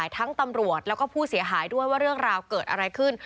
ทั้งตำรวจแล้วก็ผู้เสียหายด้วยว่าเรื่องราวเกิดอะไรขึ้น